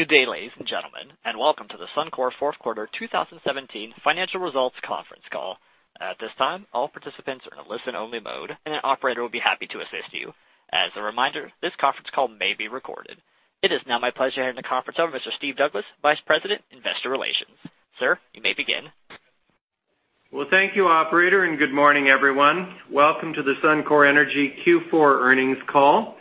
Good day, ladies and gentlemen, welcome to the Suncor fourth quarter 2017 financial results conference call. At this time, all participants are in a listen-only mode, and an operator will be happy to assist you. As a reminder, this conference call may be recorded. It is now my pleasure to hand the conference over to Mr. Steve Douglas, Vice President, Investor Relations. Sir, you may begin. Well, thank you, operator, and good morning, everyone. Welcome to the Suncor Energy Q4 earnings call.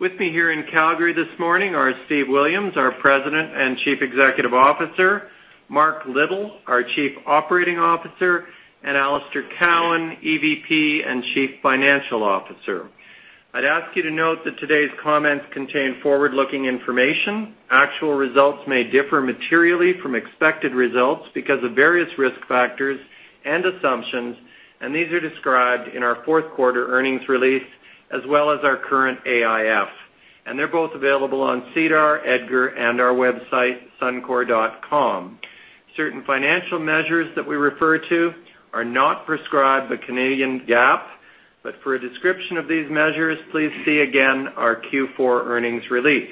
With me here in Calgary this morning are Steve Williams, our President and Chief Executive Officer, Mark Little, our Chief Operating Officer, and Alister Cowan, EVP and Chief Financial Officer. I'd ask you to note that today's comments contain forward-looking information. Actual results may differ materially from expected results because of various risk factors and assumptions, and these are described in our fourth quarter earnings release as well as our current AIF. They're both available on SEDAR, EDGAR, and our website, suncor.com. Certain financial measures that we refer to are not prescribed by Canadian GAAP, but for a description of these measures, please see, again, our Q4 earnings release.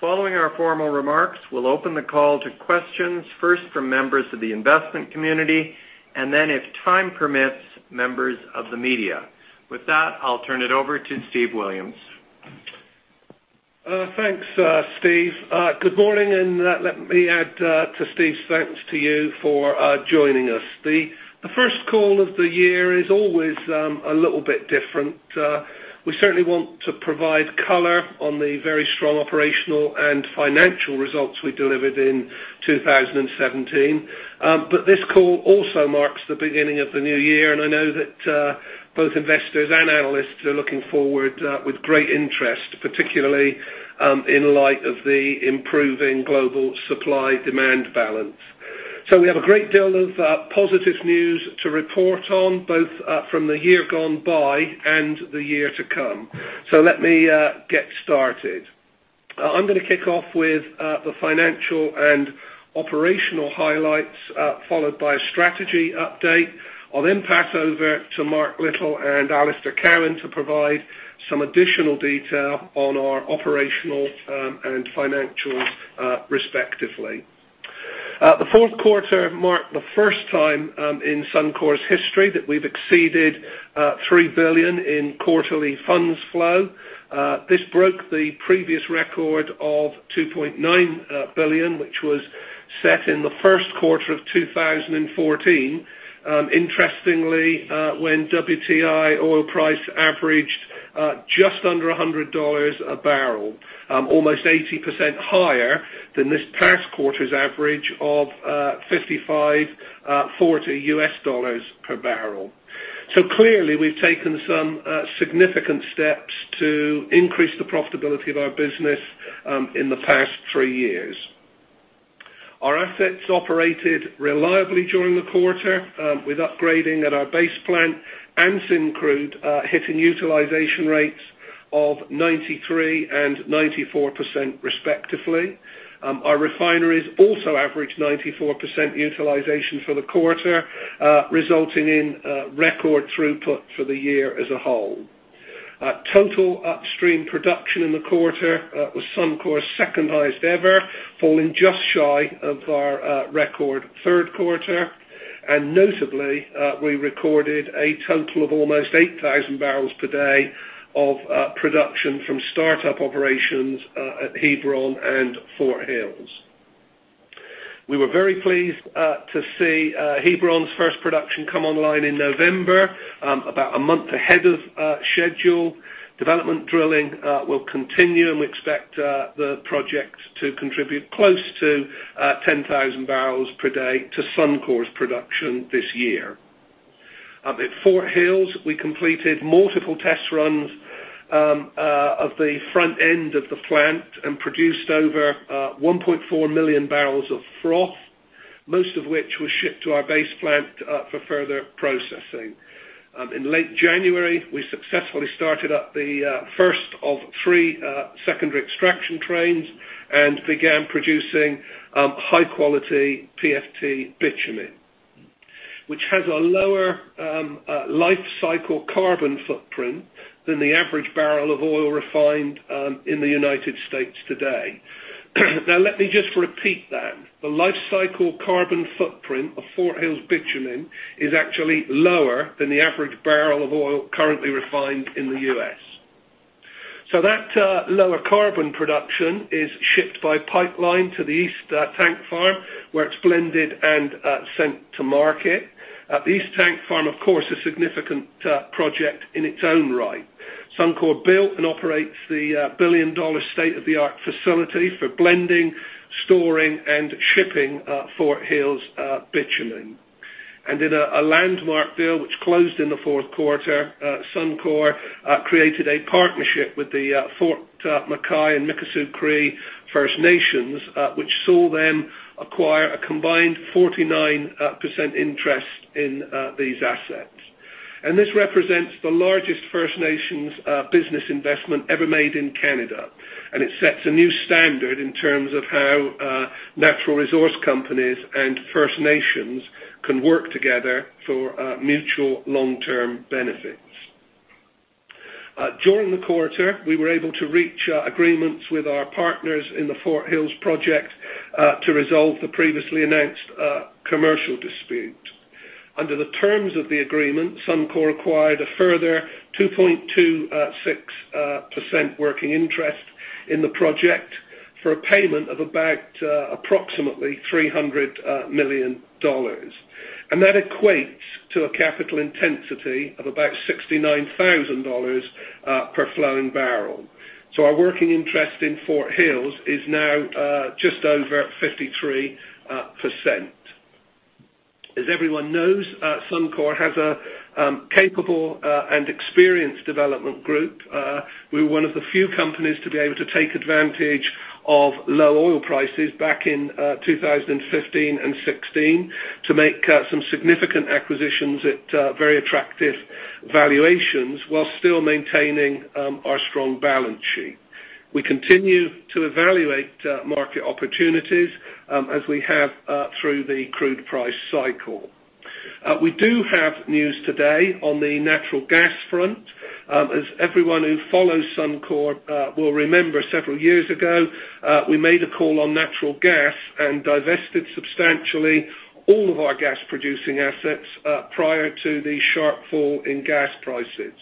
Following our formal remarks, we'll open the call to questions, first from members of the investment community, and then if time permits, members of the media. With that, I'll turn it over to Steve Williams. Thanks, Steve. Good morning, and let me add to Steve's thanks to you for joining us. The first call of the year is always a little bit different. We certainly want to provide color on the very strong operational and financial results we delivered in 2017. This call also marks the beginning of the new year, and I know that both investors and analysts are looking forward with great interest, particularly in light of the improving global supply-demand balance. We have a great deal of positive news to report on, both from the year gone by and the year to come. Let me get started. I'm going to kick off with the financial and operational highlights, followed by a strategy update. I'll pass over to Mark Little and Alister Cowan to provide some additional detail on our operational and financials, respectively. The fourth quarter marked the first time in Suncor's history that we've exceeded 3 billion in quarterly funds flow. This broke the previous record of 2.9 billion, which was set in the first quarter of 2014, interestingly, when WTI oil price averaged just under $100 a barrel, almost 80% higher than this past quarter's average of $55.40 U.S. dollars per barrel. Clearly, we've taken some significant steps to increase the profitability of our business in the past three years. Our assets operated reliably during the quarter, with upgrading at our base plant and Syncrude hitting utilization rates of 93% and 94%, respectively. Our refineries also averaged 94% utilization for the quarter, resulting in record throughput for the year as a whole. Total upstream production in the quarter was Suncor's second highest ever, falling just shy of our record third quarter. Notably, we recorded a total of almost 8,000 barrels per day of production from startup operations at Hebron and Fort Hills. We were very pleased to see Hebron's first production come online in November, about a month ahead of schedule. Development drilling will continue, and we expect the project to contribute close to 10,000 barrels per day to Suncor's production this year. At Fort Hills, we completed multiple test runs of the front end of the plant and produced over 1.4 million barrels of froth, most of which was shipped to our base plant for further processing. In late January, we successfully started up the first of three secondary extraction trains and began producing high-quality PFT bitumen, which has a lower lifecycle carbon footprint than the average barrel of oil refined in the U.S. today. Now, let me just repeat that. The lifecycle carbon footprint of Fort Hills bitumen is actually lower than the average barrel of oil currently refined in the U.S. That lower carbon production is shipped by pipeline to the East Tank Farm, where it's blended and sent to market. The East Tank Farm, of course, a significant project in its own right. Suncor built and operates the 1 billion dollar state-of-the-art facility for blending, storing, and shipping Fort Hills bitumen. In a landmark deal which closed in the fourth quarter, Suncor created a partnership with the Fort McKay and Mikisew Cree First Nations, which saw them acquire a combined 49% interest in these assets. This represents the largest First Nations business investment ever made in Canada, and it sets a new standard in terms of how natural resource companies and First Nations can work together for mutual long-term benefits. During the quarter, we were able to reach agreements with our partners in the Fort Hills project to resolve the previously announced commercial dispute. Under the terms of the agreement, Suncor acquired a further 2.26% working interest in the project for a payment of approximately 300 million dollars. That equates to a capital intensity of about 69,000 dollars per flowing barrel. Our working interest in Fort Hills is now just over 53%. As everyone knows, Suncor has a capable and experienced development group. We were one of the few companies to be able to take advantage of low oil prices back in 2015 and 2016 to make some significant acquisitions at very attractive valuations, while still maintaining our strong balance sheet. We continue to evaluate market opportunities as we have through the crude price cycle. We do have news today on the natural gas front. As everyone who follows Suncor will remember, several years ago, we made a call on natural gas and divested substantially all of our gas-producing assets prior to the sharp fall in gas prices.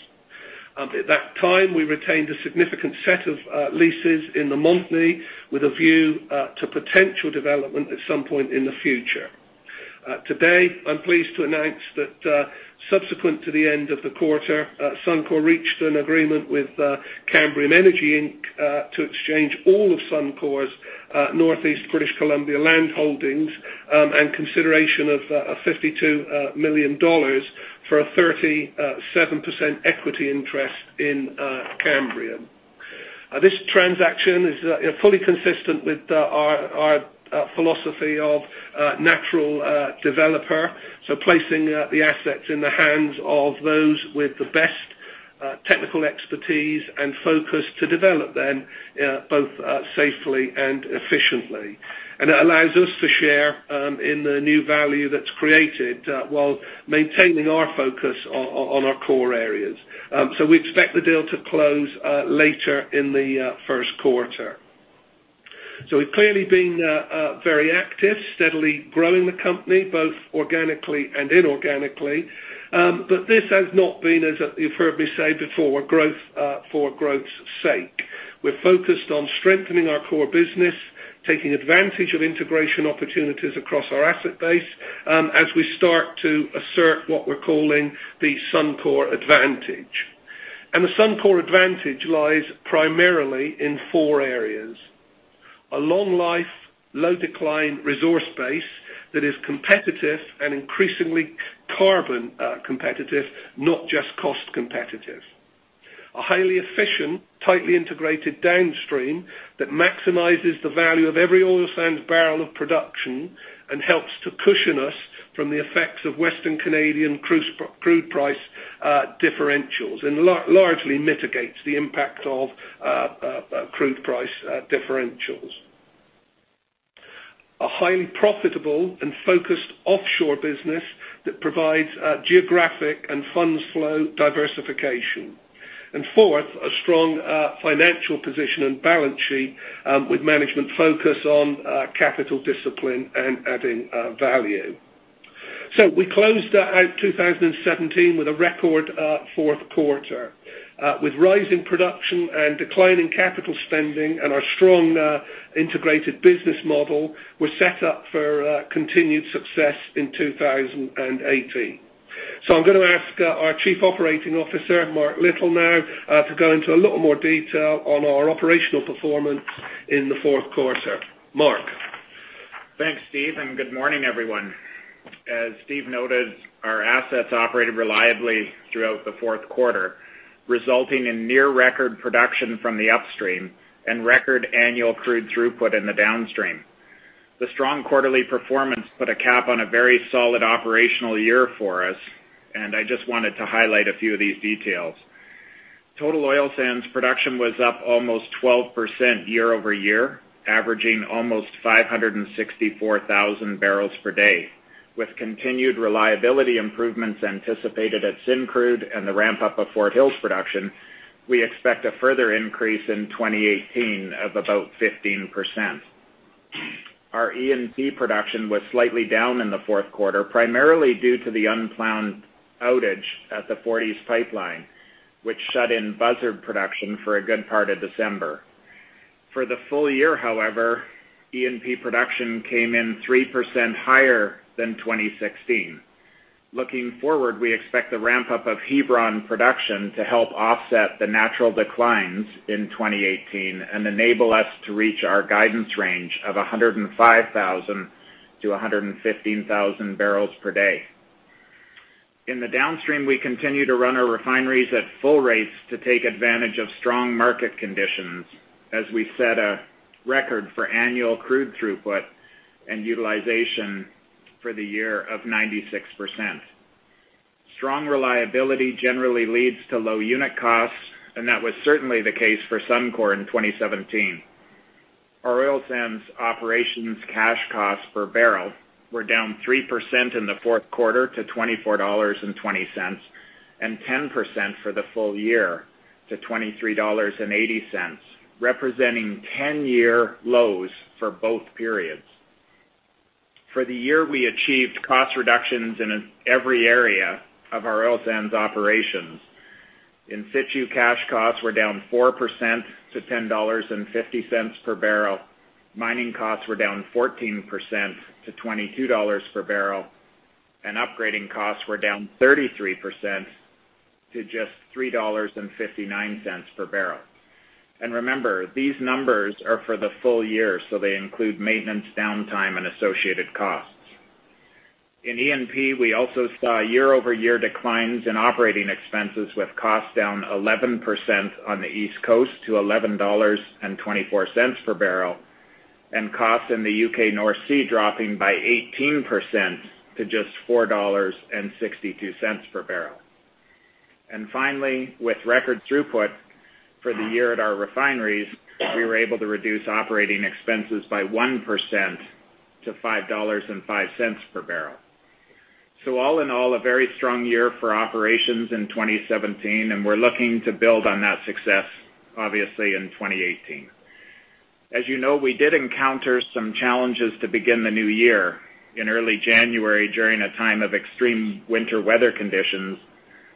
At that time, we retained a significant set of leases in the Montney with a view to potential development at some point in the future. Today, I'm pleased to announce that subsequent to the end of the quarter, Suncor reached an agreement with Canbriam Energy Inc. to exchange all of Suncor's Northeast British Columbia land holdings and consideration of 52 million dollars for a 37% equity interest in Canbriam. This transaction is fully consistent with our philosophy of natural developer, placing the assets in the hands of those with the best technical expertise and focus to develop them both safely and efficiently. It allows us to share in the new value that's created while maintaining our focus on our core areas. We expect the deal to close later in the first quarter. We've clearly been very active, steadily growing the company, both organically and inorganically. This has not been, as you've heard me say before, growth for growth's sake. We're focused on strengthening our core business, taking advantage of integration opportunities across our asset base as we start to assert what we're calling the Suncor Advantage. The Suncor Advantage lies primarily in 4 areas. A long-life, low-decline resource base that is competitive and increasingly carbon competitive, not just cost competitive. A highly efficient, tightly integrated downstream that maximizes the value of every oil sands barrel of production and helps to cushion us from the effects of Western Canadian crude price differentials and largely mitigates the impact of crude price differentials. A highly profitable and focused offshore business that provides geographic and funds flow diversification. Fourth, a strong financial position and balance sheet with management focus on capital discipline and adding value. We closed out 2017 with a record fourth quarter. With rising production and declining capital spending and our strong integrated business model, we're set up for continued success in 2018. I'm going to ask our Chief Operating Officer, Mark Little, now to go into a little more detail on our operational performance in the fourth quarter. Mark? Thanks, Steve, and good morning, everyone. As Steve noted, our assets operated reliably throughout the fourth quarter, resulting in near-record production from the upstream and record annual crude throughput in the downstream. The strong quarterly performance put a cap on a very solid operational year for us, and I just wanted to highlight a few of these details. Total oil sands production was up almost 12% year-over-year, averaging almost 564,000 barrels per day. With continued reliability improvements anticipated at Syncrude and the ramp-up of Fort Hills production, we expect a further increase in 2018 of about 15%. Our E&P production was slightly down in the fourth quarter, primarily due to the unplanned outage at the Forties Pipeline, which shut in Buzzard production for a good part of December. For the full year, however, E&P production came in 3% higher than 2016. Looking forward, we expect the ramp-up of Hebron production to help offset the natural declines in 2018 and enable us to reach our guidance range of 105,000 to 115,000 barrels per day. In the downstream, we continue to run our refineries at full rates to take advantage of strong market conditions as we set a record for annual crude throughput and utilization for the year of 96%. Strong reliability generally leads to low unit costs, and that was certainly the case for Suncor in 2017. Our oil sands operations cash costs per barrel were down 3% in the fourth quarter to 24.20 dollars, and 10% for the full year to 23.80 dollars, representing 10-year lows for both periods. For the year, we achieved cost reductions in every area of our oil sands operations. In situ cash costs were down 4% to 10.50 dollars per barrel. Mining costs were down 14% to 22 dollars per barrel, and upgrading costs were down 33% to just 3.59 dollars per barrel. Remember, these numbers are for the full year, so they include maintenance downtime and associated costs. In E&P, we also saw year-over-year declines in operating expenses with costs down 11% on the East Coast to 11.24 dollars per barrel, and costs in the U.K. North Sea dropping by 18% to just 4.62 dollars per barrel. Finally, with record throughput for the year at our refineries, we were able to reduce operating expenses by 1% to 5.05 dollars per barrel. All in all, a very strong year for operations in 2017, and we're looking to build on that success, obviously, in 2018. As you know, we did encounter some challenges to begin the new year. In early January, during a time of extreme winter weather conditions,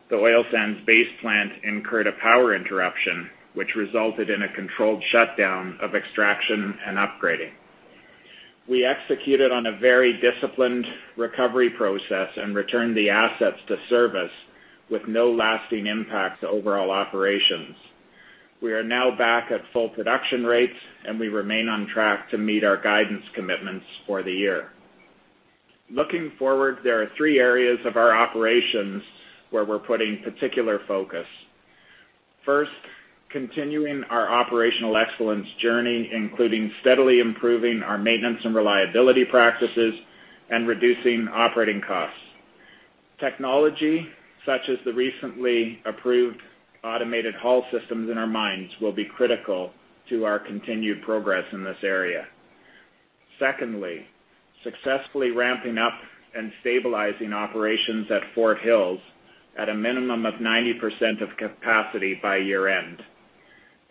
the Oil Sands Base Plant incurred a power interruption, which resulted in a controlled shutdown of extraction and upgrading. We executed on a very disciplined recovery process and returned the assets to service with no lasting impact to overall operations. We are now back at full production rates, and we remain on track to meet our guidance commitments for the year. Looking forward, there are three areas of our operations where we're putting particular focus. First, continuing our operational excellence journey, including steadily improving our maintenance and reliability practices and reducing operating costs. Technology, such as the recently approved automated haul systems in our mines, will be critical to our continued progress in this area. Secondly, successfully ramping up and stabilizing operations at Fort Hills at a minimum of 90% of capacity by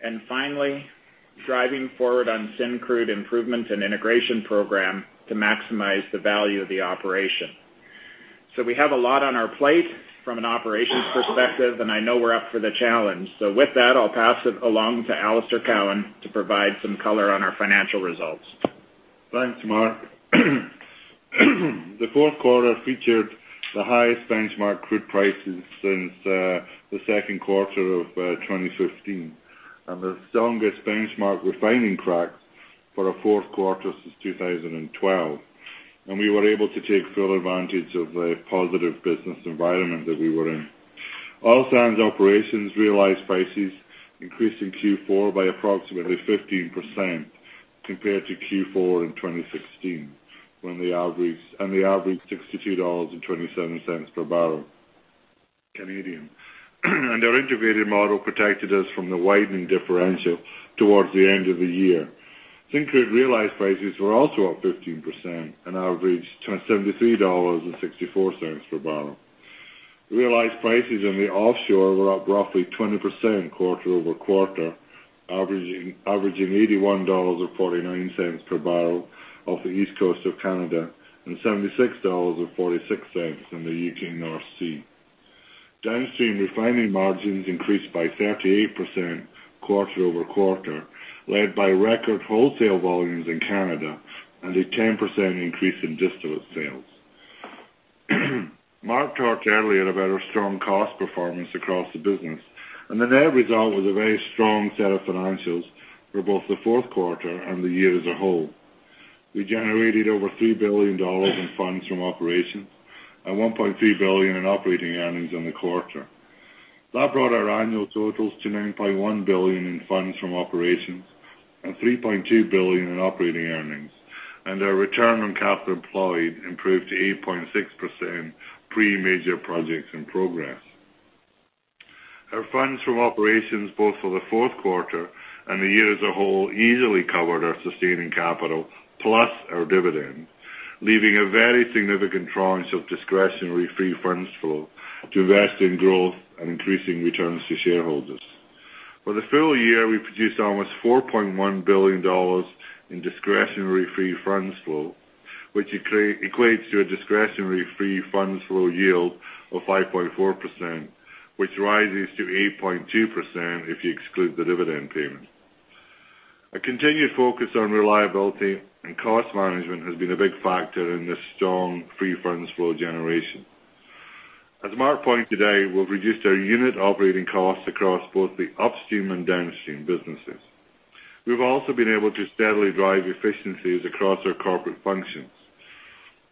year-end. Finally, driving forward on Syncrude improvement and integration program to maximize the value of the operation. We have a lot on our plate from an operations perspective, and I know we're up for the challenge. With that, I'll pass it along to Alister Cowan to provide some color on our financial results. Thanks, Mark. The fourth quarter featured the highest benchmark crude prices since the second quarter of 2015 and the strongest benchmark refining crack for a fourth quarter since 2012. We were able to take full advantage of the positive business environment that we were in. Oil sands operations realized prices increased in Q4 by approximately 15% compared to Q4 in 2016 and they averaged CAD 62.27 per barrel. Our integrated model protected us from the widening differential towards the end of the year. Syncrude realized prices were also up 15% and averaged CAD 73.64 per barrel. Realized prices in the offshore were up roughly 20% quarter-over-quarter, averaging 81.49 dollars per barrel off the east coast of Canada and 76.46 dollars in the U.K. North Sea. Downstream refining margins increased by 38% quarter-over-quarter, led by record wholesale volumes in Canada and a 10% increase in distillate sales. Mark talked earlier about our strong cost performance across the business. The net result was a very strong set of financials for both the fourth quarter and the year as a whole. We generated over 3 billion dollars in funds from operations and 1.3 billion in operating earnings in the quarter. That brought our annual totals to 9.1 billion in funds from operations and 3.2 billion in operating earnings. Our return on capital employed improved to 8.6% pre-major projects and progress. Our funds from operations both for the fourth quarter and the year as a whole easily covered our sustaining capital plus our dividend, leaving a very significant tranche of discretionary free funds flow to invest in growth and increasing returns to shareholders. For the full year, we produced almost 4.1 billion dollars in discretionary free funds flow, which equates to a discretionary free funds flow yield of 5.4%, which rises to 8.2% if you exclude the dividend payment. A continued focus on reliability and cost management has been a big factor in this strong free funds flow generation. As Mark pointed today, we've reduced our unit operating costs across both the upstream and downstream businesses. We've also been able to steadily drive efficiencies across our corporate functions.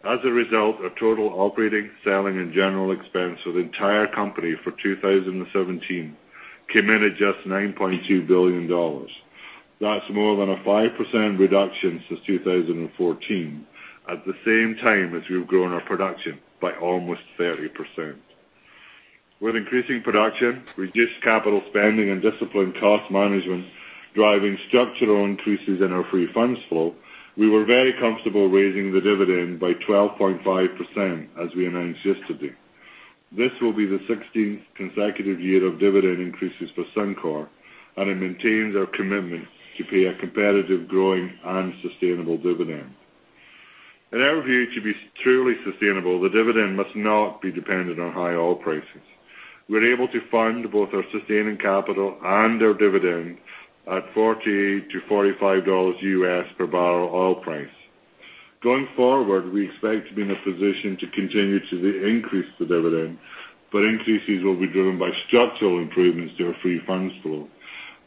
As a result, our total operating, selling, and general expense for the entire company for 2017 came in at just 9.2 billion dollars. That's more than a 5% reduction since 2014 at the same time as we've grown our production by almost 30%. With increasing production, reduced capital spending, and disciplined cost management driving structural increases in our free funds flow, we were very comfortable raising the dividend by 12.5% as we announced yesterday. This will be the 16th consecutive year of dividend increases for Suncor. It maintains our commitment to pay a competitive, growing, and sustainable dividend. In our view, to be truly sustainable, the dividend must not be dependent on high oil prices. We're able to fund both our sustaining capital and our dividend at $48 to $45 U.S. per barrel oil price. Going forward, we expect to be in a position to continue to increase the dividend. Increases will be driven by structural improvements to our free funds flow,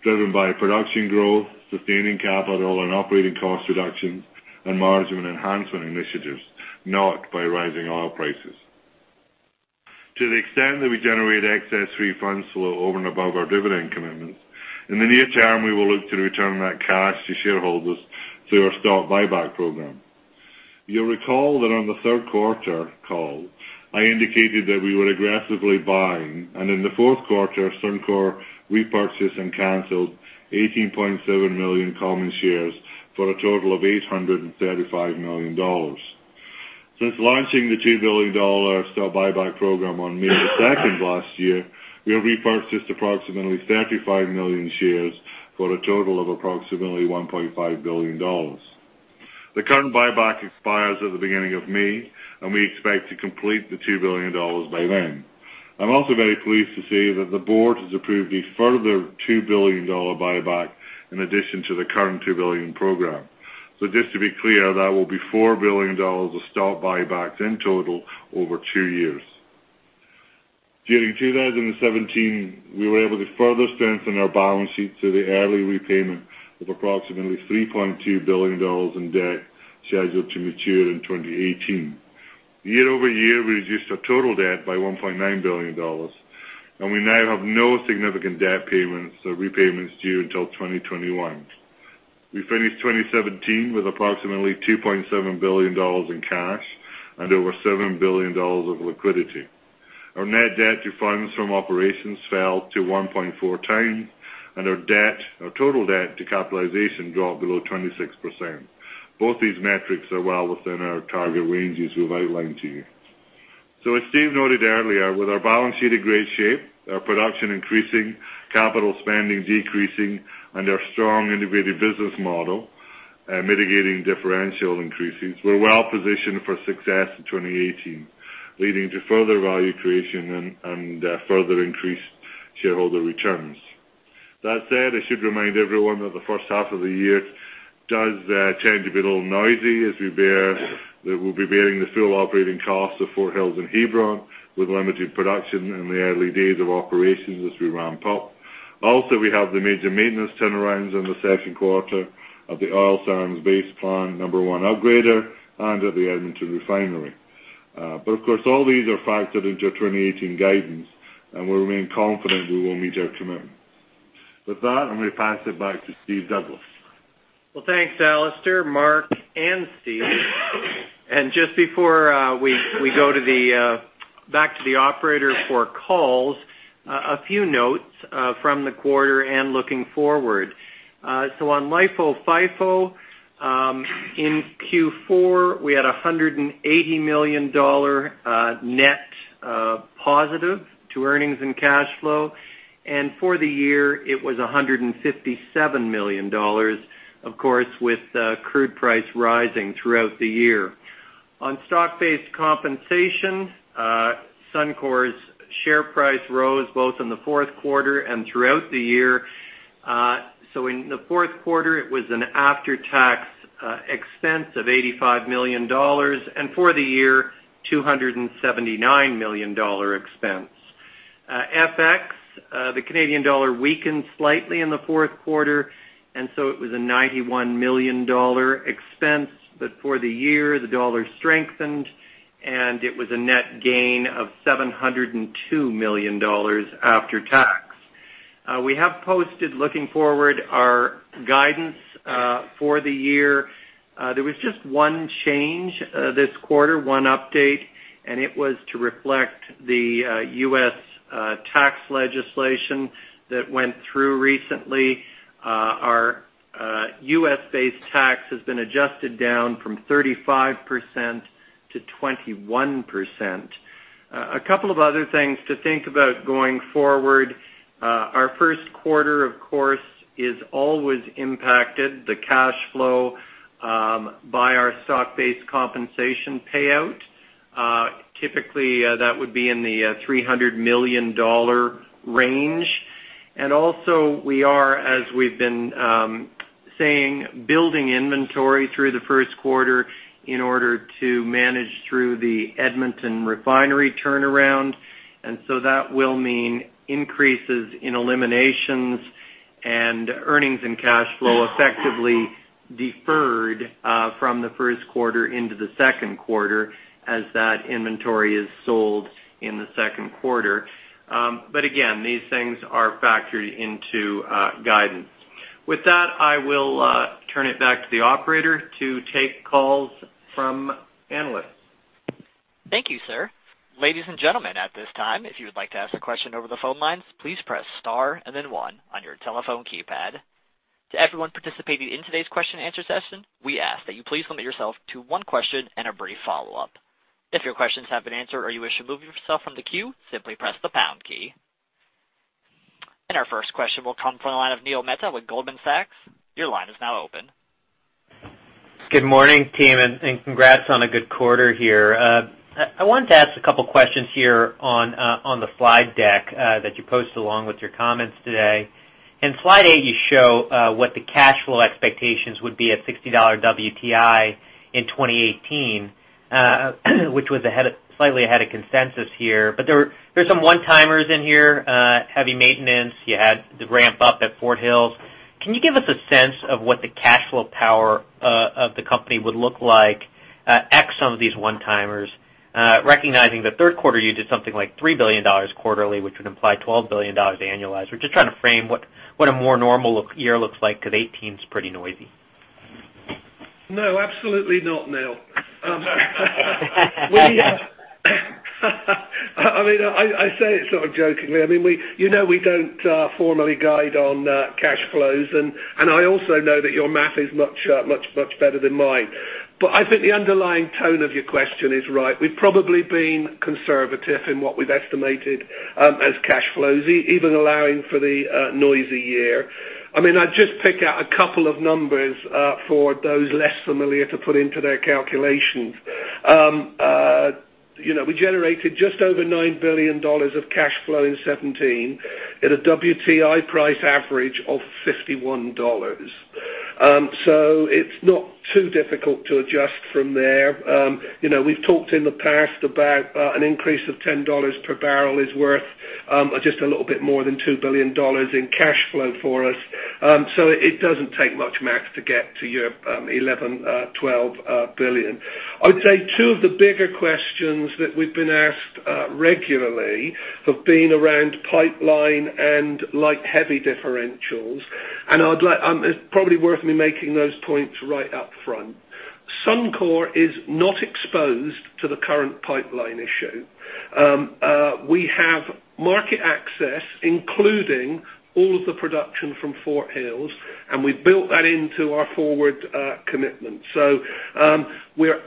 driven by production growth, sustaining capital and operating cost reductions, and margin enhancement initiatives, not by rising oil prices. To the extent that we generate excess free funds flow over and above our dividend commitments, in the near term, we will look to return that cash to shareholders through our stock buyback program. You will recall that on the third quarter call, I indicated that we were aggressively buying. In the fourth quarter, Suncor repurchased and canceled 18.7 million common shares for a total of 835 million dollars. Since launching the 2 billion dollar stock buyback program on May 2nd last year, we have repurchased approximately 35 million shares for a total of approximately 1.5 billion dollars. The current buyback expires at the beginning of May. We expect to complete the 2 billion dollars by then. I am also very pleased to say that the board has approved a further 2 billion dollar buyback in addition to the current 2 billion program. Just to be clear, that will be 4 billion dollars of stock buybacks in total over two years. During 2017, we were able to further strengthen our balance sheet through the early repayment of approximately 3.2 billion dollars in debt scheduled to mature in 2018. Year-over-year, we reduced our total debt by 1.9 billion dollars. We now have no significant debt payments or repayments due until 2021. We finished 2017 with approximately 2.7 billion dollars in cash and over 7 billion dollars of liquidity. Our net debt to funds from operations fell to 1.4 times. Our total debt to capitalization dropped below 26%. Both these metrics are well within our target ranges we have outlined to you. As Steve noted earlier, with our balance sheet in great shape, our production increasing, capital spending decreasing, and our strong integrated business model mitigating differential increases, we are well positioned for success in 2018, leading to further value creation and further increased shareholder returns. That said, I should remind everyone that the first half of the year does tend to be a little noisy, as we will be bearing the full operating costs of Fort Hills and Hebron with limited production in the early days of operations as we ramp up. Also, we have the major maintenance turnarounds in the second quarter of the Oil Sands Base Plant Number 1 upgrader and at the Edmonton Refinery. Of course, all these are factored into our 2018 guidance. We remain confident we will meet our commitment. With that, I am going to pass it back to Steve Douglas. Thanks, Alister, Mark, and Steve. Just before we go back to the operator for calls, a few notes from the quarter and looking forward. On LIFO, FIFO, in Q4, we had 180 million dollar net positive to earnings and cash flow. For the year, it was 157 million dollars, of course, with crude price rising throughout the year. On stock-based compensation, Suncor's share price rose both in the fourth quarter and throughout the year. In the fourth quarter, it was an after-tax expense of 85 million dollars. For the year, 279 million dollar expense. FX, the Canadian dollar weakened slightly in the fourth quarter. It was a 91 million dollar expense. For the year, the dollar strengthened. It was a net gain of 702 million dollars after tax. We have posted, looking forward, our guidance for the year. There was just one change this quarter, one update, and it was to reflect the U.S. tax legislation that went through recently. Our U.S.-based tax has been adjusted down from 35% to 21%. A couple of other things to think about going forward. Our first quarter, of course, is always impacted, the cash flow by our stock-based compensation payout. Typically, that would be in the 300 million dollar range. Also, we are, as we've been saying, building inventory through the first quarter in order to manage through the Edmonton refinery turnaround. That will mean increases in eliminations and earnings and cash flow effectively deferred from the first quarter into the second quarter as that inventory is sold in the second quarter. Again, these things are factored into guidance. With that, I will turn it back to the operator to take calls from analysts. Thank you, sir. Ladies and gentlemen, at this time, if you would like to ask a question over the phone lines, please press star and then 1 on your telephone keypad. To everyone participating in today's question and answer session, we ask that you please limit yourself to one question and a brief follow-up. If your questions have been answered or you wish to remove yourself from the queue, simply press the pound key. Our first question will come from the line of Neil Mehta with Goldman Sachs. Your line is now open. Good morning, team. Congrats on a good quarter here. I wanted to ask a couple questions here on the slide deck that you posted along with your comments today. In slide eight, you show what the cash flow expectations would be at $60 WTI in 2018, which was slightly ahead of consensus here. There's some one-timers in here, heavy maintenance. You had the ramp up at Fort Hills. Can you give us a sense of what the cash flow power of the company would look like ex some of these one-timers? Recognizing that third quarter, you did something like $3 billion quarterly, which would imply $12 billion annualized. We're just trying to frame what a more normal year looks like, because 2018's pretty noisy. No, absolutely not, Neil. I say it sort of jokingly. You know we don't formally guide on cash flows, I also know that your math is much better than mine. I think the underlying tone of your question is right. We've probably been conservative in what we've estimated as cash flows, even allowing for the noisy year. I'll just pick out a couple of numbers, for those less familiar to put into their calculations. We generated just over 9 billion dollars of cash flow in 2017 at a WTI price average of $51. It's not too difficult to adjust from there. We've talked in the past about an increase of 10 dollars per barrel is worth just a little bit more than 2 billion dollars in cash flow for us. It doesn't take much math to get to your 11 billion, 12 billion. I would say two of the bigger questions that we've been asked regularly have been around pipeline and light heavy differentials, it's probably worth me making those points right up front. Suncor is not exposed to the current pipeline issue. We have market access, including all of the production from Fort Hills, we've built that into our forward commitments. We're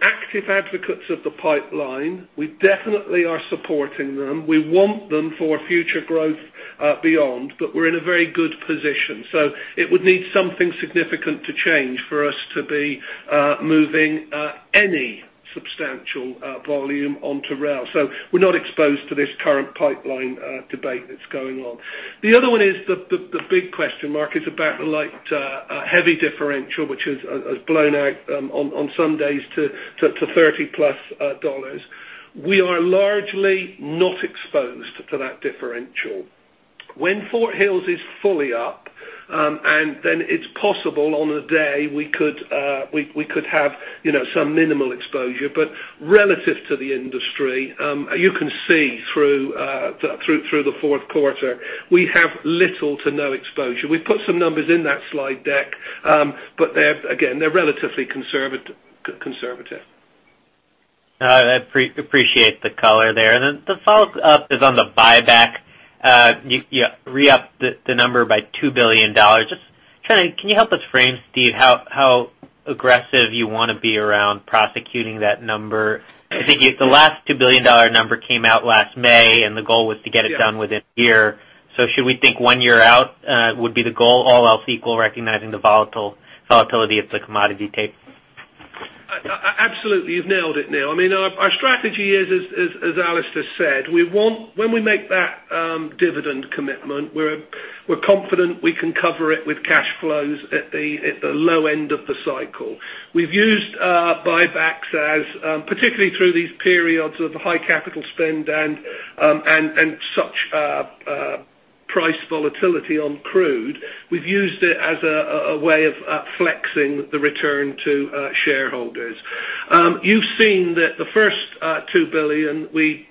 active advocates of the pipeline. We definitely are supporting them. We want them for future growth beyond, but we're in a very good position. It would need something significant to change for us to be moving any substantial volume onto rail. We're not exposed to this current pipeline debate that's going on. The other one is the big question mark is about the light heavy differential, which has blown out on some days to 30-plus dollars. We are largely not exposed to that differential. When Fort Hills is fully up, then it's possible on a day we could have some minimal exposure, relative to the industry, you can see through the fourth quarter, we have little to no exposure. We've put some numbers in that slide deck, again, they're relatively conservative. All right. I appreciate the color there. The follow-up is on the buyback. You re-upped the number by 2 billion dollars. Can you help us frame, Steve, how aggressive you want to be around prosecuting that number? I think the last 2 billion dollar number came out last May, the goal was to get it done within one year. Should we think one year out would be the goal, all else equal, recognizing the volatility of the commodity take? Absolutely. You've nailed it, Neil. Our strategy is, as Alister said, when we make that dividend commitment, we're confident we can cover it with cash flows at the low end of the cycle. We've used buybacks, particularly through these periods of high capital spend and such price volatility on crude. We've used it as a way of flexing the return to shareholders. You've seen that the first 2 billion, we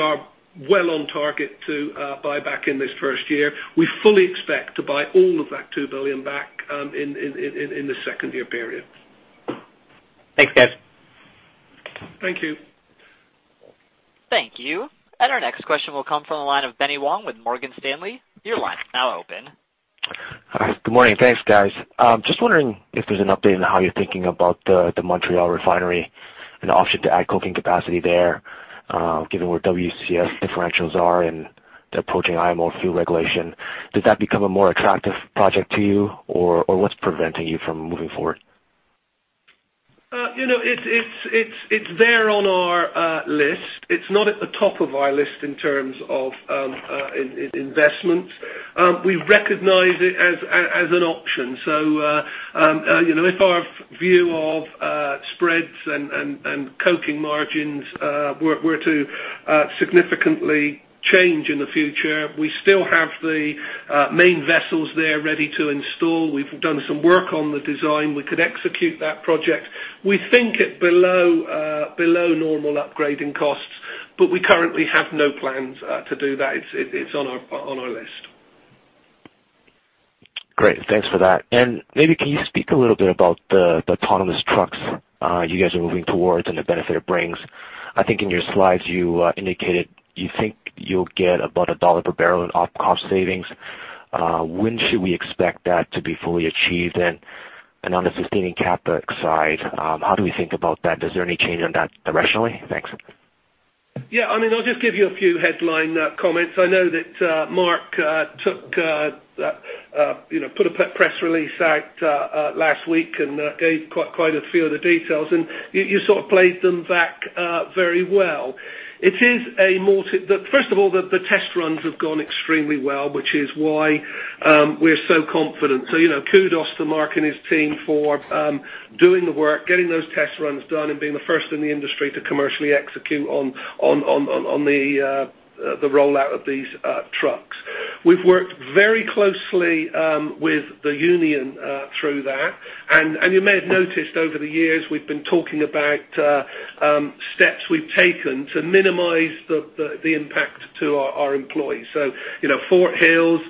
are well on target to buy back in this first year. We fully expect to buy all of that 2 billion back in the second-year period. Thanks, guys. Thank you. Thank you. Our next question will come from the line of Benny Wong with Morgan Stanley. Your line is now open. Good morning. Thanks, guys. Just wondering if there's an update on how you're thinking about the Montreal refinery and the option to add coking capacity there, given where WCS differentials are and the approaching IMO fuel regulation. Does that become a more attractive project to you? What's preventing you from moving forward? It's there on our list. It's not at the top of our list in terms of investments. We recognize it as an option. If our view of spreads and coking margins were to significantly change in the future, we still have the main vessels there ready to install. We've done some work on the design. We could execute that project. We think at below normal upgrading costs. We currently have no plans to do that. It's on our list. Great, thanks for that. Maybe can you speak a little bit about the autonomous trucks you guys are moving towards and the benefit it brings? I think in your slides you indicated you think you'll get about CAD 1 per barrel in OpEx savings. When should we expect that to be fully achieved? On the sustaining CapEx side, how do we think about that? Is there any change on that directionally? Thanks. Yeah, I'll just give you a few headline comments. I know that Mark put a press release out last week and gave quite a few of the details, and you sort of played them back very well. First of all, the test runs have gone extremely well, which is why we're so confident. Kudos to Mark and his team for doing the work, getting those test runs done, and being the first in the industry to commercially execute on the rollout of these trucks. We've worked very closely with the union through that, and you may have noticed over the years, we've been talking about steps we've taken to minimize the impact to our employees. Fort Hills,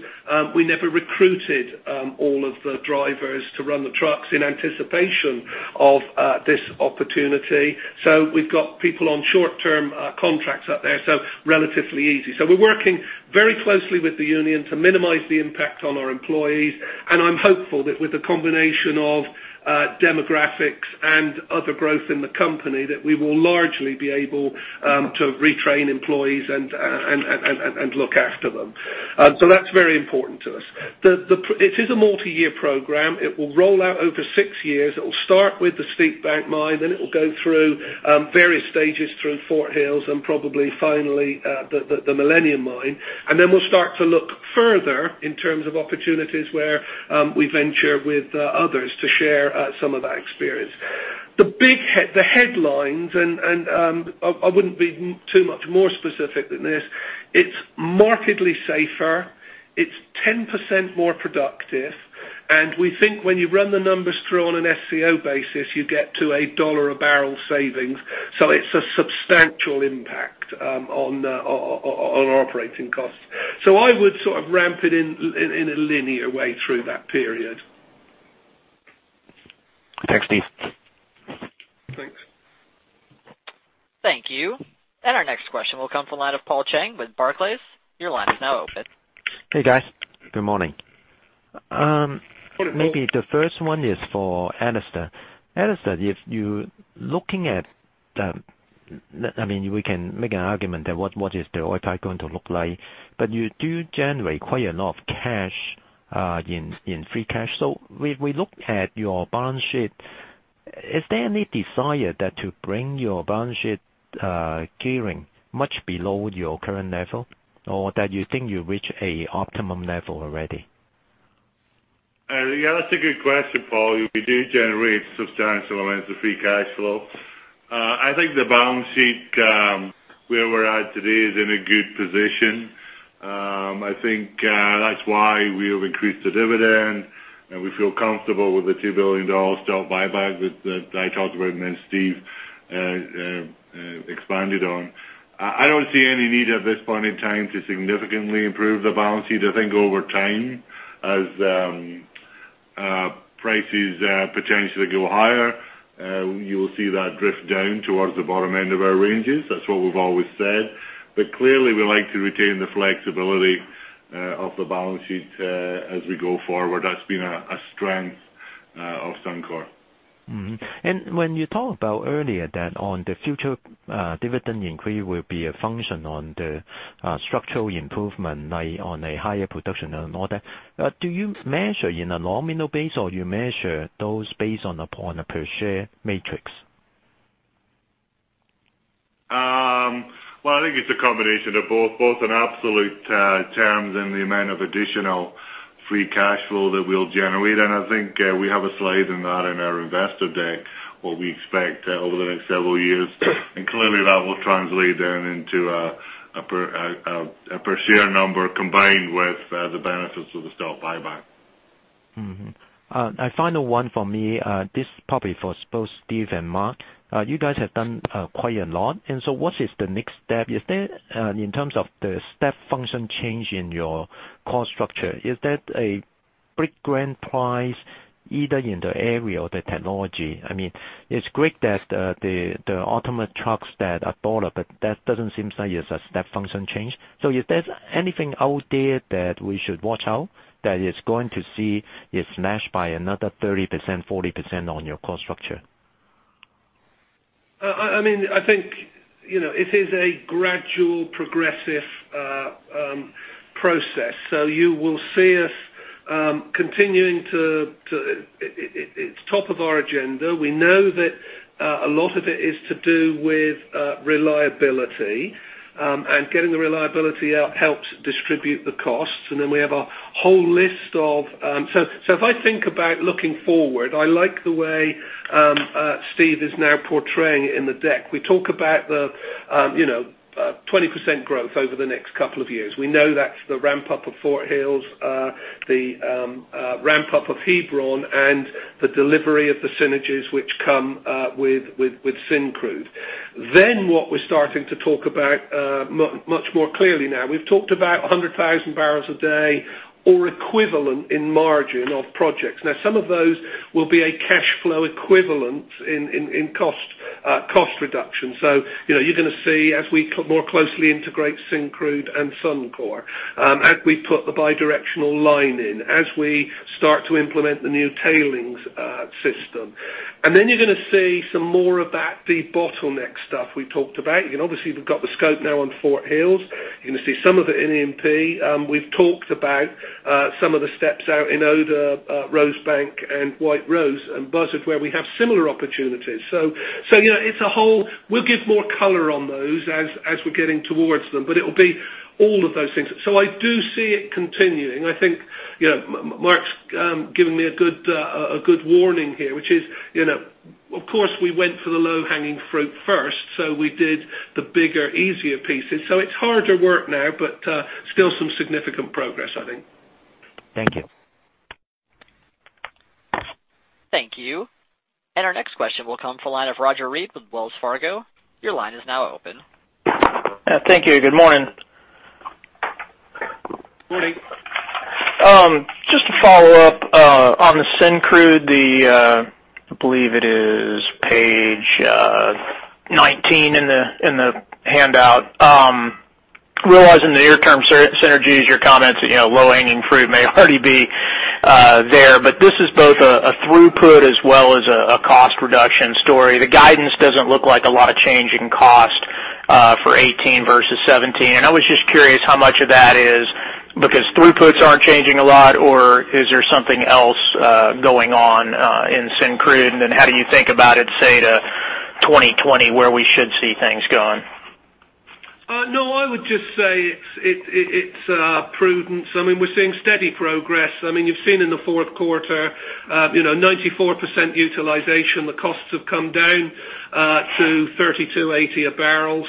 we never recruited all of the drivers to run the trucks in anticipation of this opportunity. We've got people on short-term contracts out there, so relatively easy. We're working very closely with the union to minimize the impact on our employees, and I'm hopeful that with the combination of demographics and other growth in the company, that we will largely be able to retrain employees and look after them. That's very important to us. It is a multi-year program. It will roll out over 6 years. It will start with the Steepbank mine, then it will go through various stages through Fort Hills and probably finally, the Millennium Mine. Then we'll start to look further in terms of opportunities where we venture with others to share some of that experience. The headlines, I wouldn't be too much more specific than this, it's markedly safer, it's 10% more productive. We think when you run the numbers through on an SCO basis, you get to a CAD 1 a barrel savings. It's a substantial impact on our operating costs. I would sort of ramp it in a linear way through that period. Thanks, Steve. Thanks. Thank you. Our next question will come from the line of Paul Cheng with Barclays. Your line is now open. Hey, guys. Good morning. Good morning. Maybe the first one is for Alister. Alister, if you're looking at the We can make an argument that what is the oil price going to look like, but you do generate quite a lot of cash in free cash. If we look at your balance sheet, is there any desire to bring your balance sheet gearing much below your current level? Or that you think you reach an optimum level already? Yeah, that's a good question, Paul. We do generate substantial amounts of free cash flow. I think the balance sheet where we're at today is in a good position. I think that's why we have increased the dividend, and we feel comfortable with the 2 billion dollars stock buyback that I talked about and then Steve expanded on. I don't see any need at this point in time to significantly improve the balance sheet. I think over time, as prices potentially go higher, you will see that drift down towards the bottom end of our ranges. That's what we've always said. Clearly, we like to retain the flexibility of the balance sheet as we go forward. That's been a strength of Suncor. Mm-hmm. When you talked about earlier that on the future dividend increase will be a function on the structural improvement, like on a higher production and all that, do you measure in a nominal base, or you measure those based on a per share metrics? Well, I think it's a combination of both in absolute terms and the amount of additional free cash flow that we'll generate. I think we have a slide in that in our investor deck, what we expect over the next several years. Clearly that will translate then into a per share number combined with the benefits of the stock buyback. Mm-hmm. A final one from me, this probably for both Steve and Mark. What is the next step? In terms of the step function change in your cost structure, is that a big grand prize either in the area or the technology? It's great that the ultimate trucks that are bought up, That doesn't seem like it's a step function change. Is there anything out there that we should watch out that is going to see it smashed by another 30%, 40% on your cost structure? I think it is a gradual progressive process. You will see us continuing to. It's top of our agenda. We know that a lot of it is to do with reliability, Getting the reliability out helps distribute the costs. We have a whole list of. If I think about looking forward, I like the way Steve is now portraying it in the deck. We talk about the 20% growth over the next couple of years. We know that's the ramp-up of Fort Hills, the ramp-up of Hebron, and the delivery of the synergies which come with Syncrude. What we're starting to talk about much more clearly now. We've talked about 100,000 barrels a day or equivalent in margin of projects. Some of those will be a cash flow equivalent in cost reduction. You're going to see as we more closely integrate Syncrude and Suncor, as we put the bi-directional line in, as we start to implement the new tailings system. You're going to see some more of that de-bottleneck stuff we talked about. Obviously, we've got the scope now on Fort Hills. You're going to see some of it in E&P. We've talked about some of the steps out in Oda, Rosebank and White Rose and Buzzard, where we have similar opportunities. We'll give more color on those as we're getting towards them, but it'll be all of those things. I do see it continuing. I think Mark's given me a good warning here, which is, of course, we went for the low-hanging fruit first. We did the bigger, easier pieces. It's harder work now, but still some significant progress, I think. Thank you. Thank you. Our next question will come from the line of Roger Read with Wells Fargo. Your line is now open. Thank you. Good morning. Morning. Just to follow up on the Syncrude, I believe it is page 19 in the handout. Realizing the near-term synergies, your comments, low-hanging fruit may already be there. This is both a throughput as well as a cost reduction story. The guidance doesn't look like a lot of change in cost for 2018 versus 2017. I was just curious how much of that is because throughputs aren't changing a lot, or is there something else going on in Syncrude? How do you think about it, say, to 2020, where we should see things going? No, I would just say it's prudent. I mean, we're seeing steady progress. You've seen in the fourth quarter, 94% utilization. The costs have come down to 32.80 a barrel.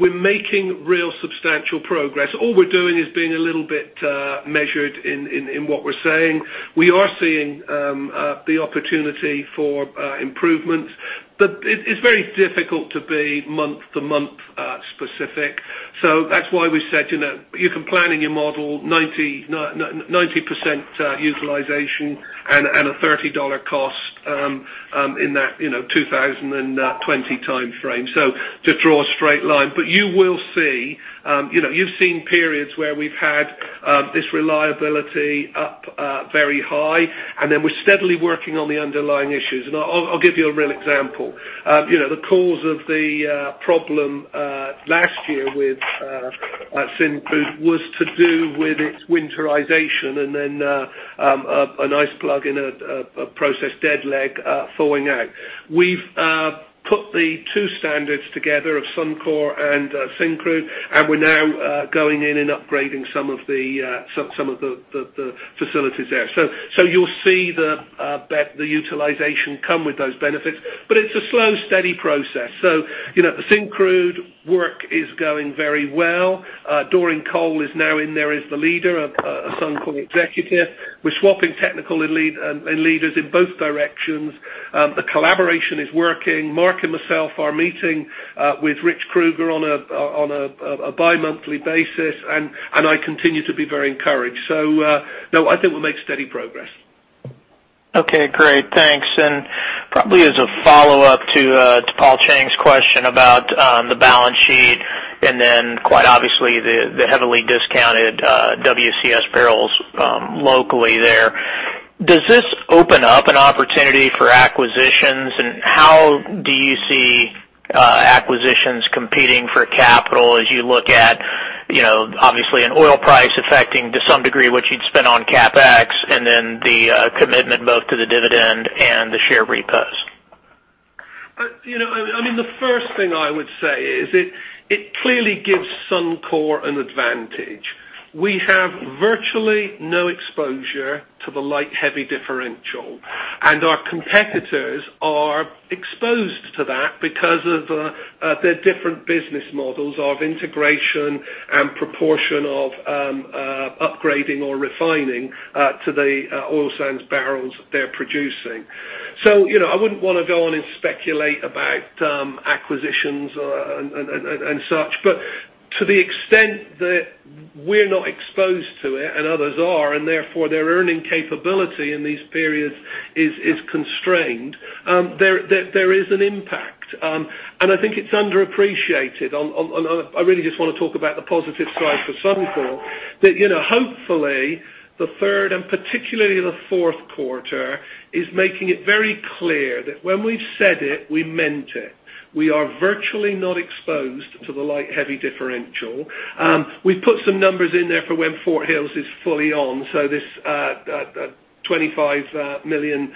We're making real substantial progress. All we're doing is being a little bit measured in what we're saying. We are seeing the opportunity for improvements, but it's very difficult to be month-to-month specific. That's why we said, you can plan in your model 90% utilization and a 30 dollar cost in that 2020 timeframe. Just draw a straight line. You've seen periods where we've had this reliability up very high, and then we're steadily working on the underlying issues. I'll give you a real example. The cause of the problem last year with Syncrude was to do with its winterization and then an ice plug in a process dead leg thawing out. We've put the two standards together of Suncor and Syncrude, we're now going in and upgrading some of the facilities there. You'll see the utilization come with those benefits. It's a slow, steady process. The Syncrude work is going very well. Doreen Cole is now in there as the leader, a Suncor executive. We're swapping technical and leaders in both directions. The collaboration is working. Mark and myself are meeting with Rich Kruger on a bi-monthly basis, I continue to be very encouraged. No, I think we'll make steady progress. Okay, great. Thanks. Probably as a follow-up to Paul Cheng's question about the balance sheet, then quite obviously, the heavily discounted WCS barrels locally there. Does this open up an opportunity for acquisitions? How do you see acquisitions competing for capital as you look at, obviously, an oil price affecting to some degree what you'd spend on CapEx and then the commitment both to the dividend and the share repos? The first thing I would say is it clearly gives Suncor an advantage. We have virtually no exposure to the light heavy differential, and our competitors are exposed to that because of their different business models of integration and proportion of upgrading or refining to the oil sands barrels they're producing. I wouldn't want to go on and speculate about acquisitions and such. To the extent that we're not exposed to it and others are, and therefore their earning capability in these periods is constrained, there is an impact. I think it's underappreciated. I really just want to talk about the positive side for Suncor. That hopefully, the third and particularly the fourth quarter is making it very clear that when we've said it, we meant it. We are virtually not exposed to the light heavy differential. We put some numbers in there for when Fort Hills is fully on, this 25 million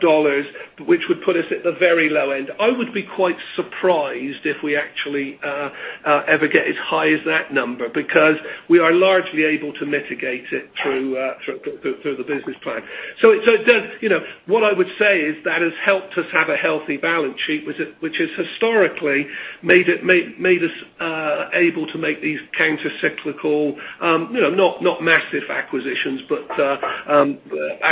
dollars, which would put us at the very low end. I would be quite surprised if we actually ever get as high as that number because we are largely able to mitigate it through the business plan. What I would say is that has helped us have a healthy balance sheet, which has historically made us able to make these counter cyclical, not massive acquisitions, but acquisitions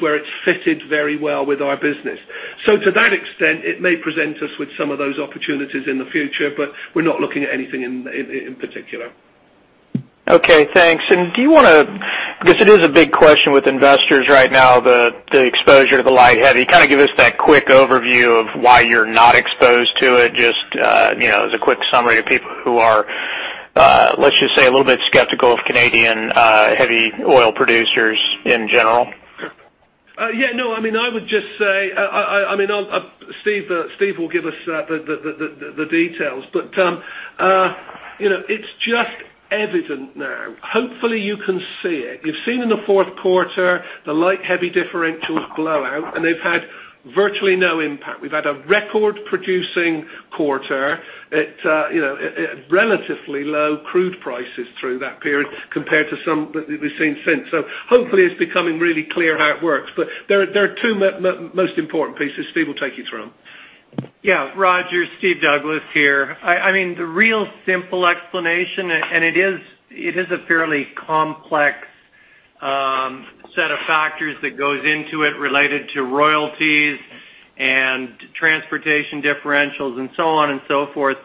where it fitted very well with our business. To that extent, it may present us with some of those opportunities in the future, but we're not looking at anything in particular. Okay, thanks. Because it is a big question with investors right now, the exposure to the light heavy. Can you give us that quick overview of why you're not exposed to it, just as a quick summary to people who are, let's just say, a little bit skeptical of Canadian heavy oil producers in general? Yeah. I would just say, Steve will give us the details. It's just evident now. Hopefully, you can see it. You've seen in the fourth quarter the light heavy differentials blow out, and they've had virtually no impact. We've had a record-producing quarter at relatively low crude prices through that period compared to some that we've seen since. Hopefully, it's becoming really clear how it works. There are two most important pieces. Steve will take you through them. Roger, Steve Douglas here. The real simple explanation, it is a fairly complex set of factors that goes into it related to royalties and transportation differentials and so on and so forth.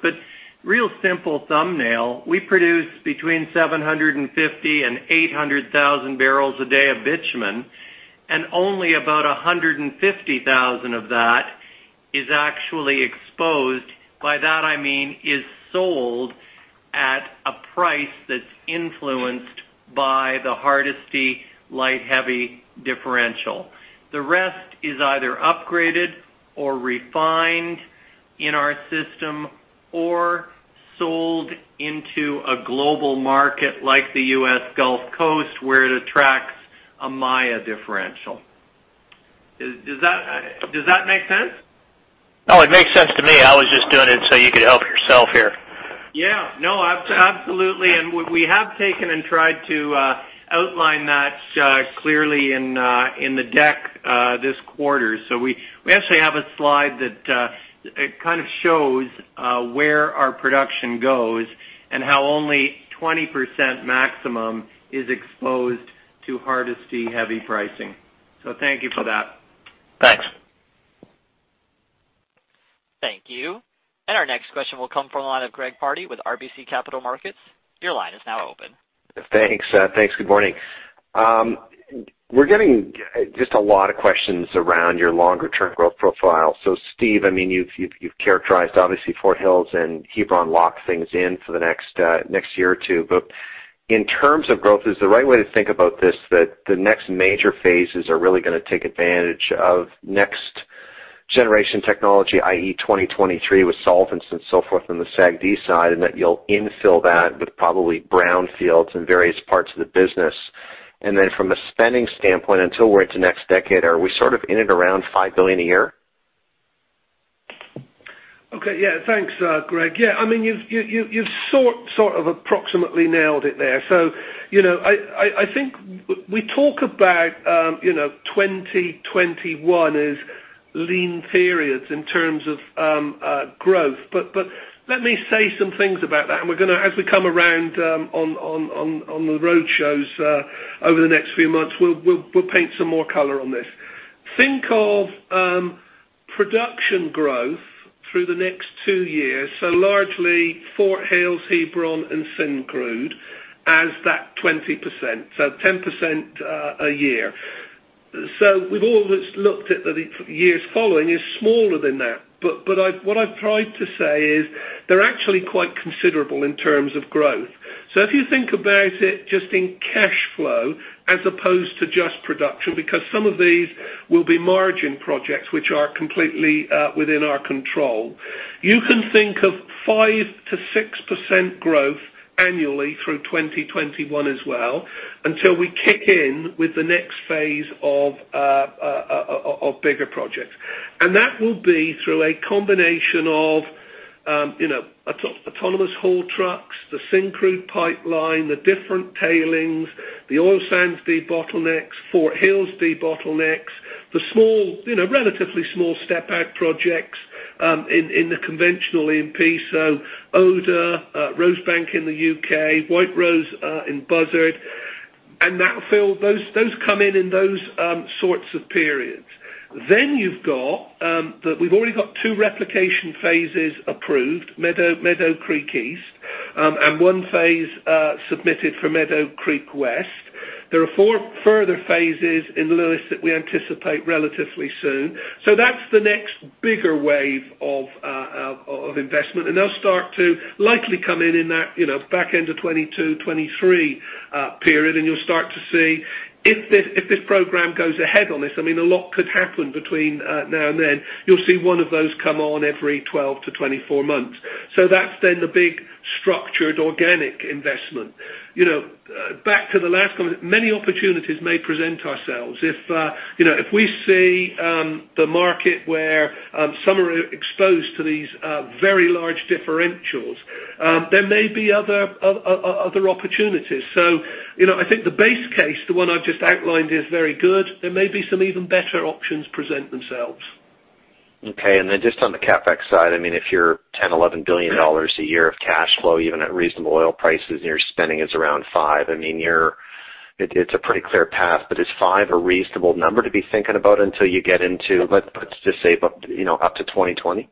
Real simple thumbnail, we produce between 750,000 and 800,000 barrels a day of bitumen, and only about 150,000 of that is actually exposed. By that, I mean is sold at a price that's influenced by the Hardisty light heavy differential. The rest is either upgraded or refined in our system or sold into a global market like the U.S. Gulf Coast, where it attracts a Maya differential. Does that make sense? It makes sense to me. I was just doing it you could help yourself here. Absolutely. We have taken and tried to outline that clearly in the deck, this quarter. We actually have a slide that shows where our production goes and how only 20% maximum is exposed to Hardisty heavy pricing. Thank you for that. Thanks. Thank you. Our next question will come from the line of Greg Pardy with RBC Capital Markets. Your line is now open. Thanks. Good morning. We're getting just a lot of questions around your longer-term growth profile. Steve, you've characterized obviously Fort Hills and Hebron lock things in for the next year or two. In terms of growth, is the right way to think about this that the next major phases are really going to take advantage of next-generation technology, i.e., 2023, with solvents and so forth on the SAGD side, and that you'll infill that with probably brownfields in various parts of the business. From a spending standpoint, until we're into next decade, are we in and around 5 billion a year? Okay. Yeah, thanks Greg. You've sort of approximately nailed it there. I think we talk about 2021 as lean periods in terms of growth. Let me say some things about that. As we come around on the road shows over the next few months, we'll paint some more color on this. Think of production growth through the next two years, largely Fort Hills, Hebron, and Syncrude as that 20%. 10% a year. We've always looked at the years following as smaller than that. What I've tried to say is they're actually quite considerable in terms of growth. If you think about it just in cash flow as opposed to just production, because some of these will be margin projects which are completely within our control. You can think of 5%-6% growth annually through 2021 as well, until we kick in with the next phase of bigger projects. That will be through a combination of autonomous haul trucks, the Syncrude pipeline, the different tailings, the oil sands debottlenecks, Fort Hills debottlenecks, the relatively small step-out projects in the conventional E&P, Oda, Rosebank in the U.K., White Rose in Buzzard, and that field. Those come in in those sorts of periods. We've already got two replication phases approved, Meadow Creek East, and one phase submitted for Meadow Creek West. There are four further phases in the Lewis that we anticipate relatively soon. That's the next bigger wave of investment, and they'll start to likely come in in that back end of 2022, 2023 period. You'll start to see if this program goes ahead on this, a lot could happen between now and then. You'll see one of those come on every 12 to 24 months. That's then the big structured organic investment. Back to the last comment, many opportunities may present ourselves. If we see the market where some are exposed to these very large differentials, there may be other opportunities. I think the base case, the one I've just outlined is very good. There may be some even better options present themselves. Just on the CapEx side, if you're 10 billion, 11 billion dollars a year of cash flow, even at reasonable oil prices, your spending is around 5 billion, it's a pretty clear path. Is 5 billion a reasonable number to be thinking about until you get into, let's just say, up to 2020?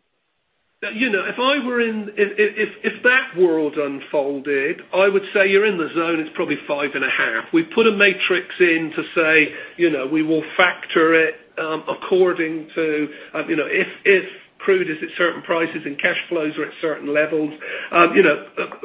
If that world unfolded, I would say you're in the zone, it's probably 5.5 billion. We put a matrix in to say, we will factor it according to if crude is at certain prices and cash flows are at certain levels.